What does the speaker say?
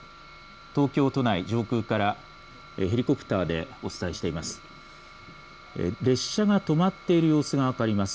東京都内、上空からヘリコプターでお伝えしています。